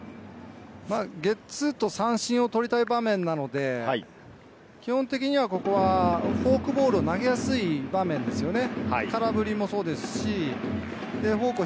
ゲッツーと三振を取りたい場面なので、基本的には、ここはフォークボールを投げやすい場面ですよね。